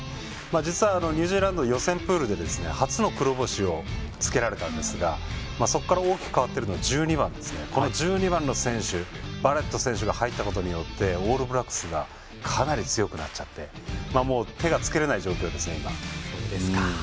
実は、ニュージーランド予選プールで初の黒星をつけられたんですがそこから大きく変わっているのが１２番のバレット選手が入ったことによりオールブラックスがかなり強くなっちゃって手がつけられない状況ですね。